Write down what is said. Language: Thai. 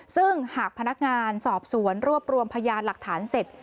ซึ่งหากพนักงานสอบสวนรวบรวมพยานหลักฐานเสร็จ